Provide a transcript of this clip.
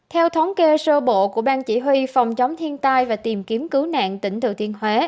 theo thống kê sơ bộ của ban chỉ huy phòng chống thiên tai và tìm kiếm cứu nạn tỉnh thừa thiên huế